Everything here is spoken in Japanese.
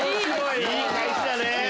いい返しだね！